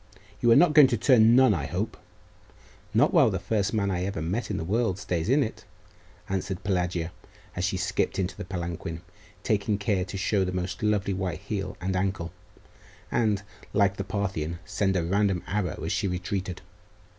'You are not going to turn nun, I hope?' 'Not while the first man I ever met in the world stays in it,' answered Pelagia, as she skipped into the palanquin, taking care to show the most lovely white heel and ankle, and, like the Parthian, send a random arrow as she retreated.